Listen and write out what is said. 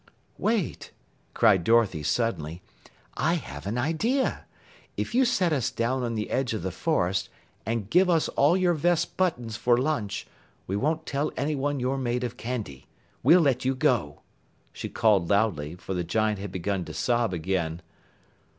"Wait!" cried Dorothy suddenly. "I have an idea. If you set us down on the edge of the forest and give us all your vest buttons for lunch, we won't tell anyone you're made of candy. We'll let you go," she called loudly, for the giant had begun to sob again.